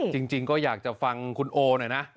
จริงก็อยากจะฟังคุณโอหน่อยนะ